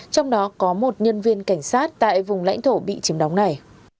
trong đó có một nhân viên cảnh sát tại vùng lãnh thổ bị chìm đóng này